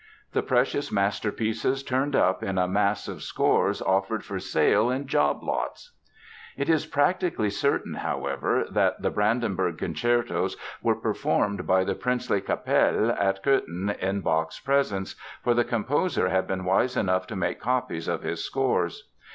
The precious masterpieces turned up in a mass of scores offered for sale in job lots! It is practically certain, however, that the Brandenburg Concertos were performed by the princely Kapelle at Cöthen in Bach's presence, for the composer had been wise enough to make copies of his scores.